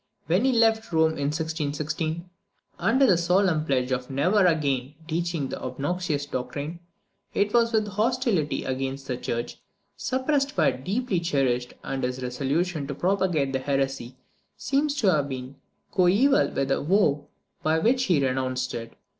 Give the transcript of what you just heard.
When he left Rome in 1616, under the solemn pledge of never again teaching the obnoxious doctrine, it was with a hostility against the church, suppressed but deeply cherished; and his resolution to propagate the heresy seems to have been coeval with the vow by which he renounced it.